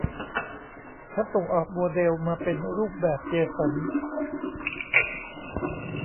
ฉันส่งออกโมเดลมาเป็นรูปแบบเจสัน